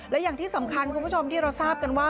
และอย่างที่สำคัญคุณผู้ชมที่เราทราบกันว่า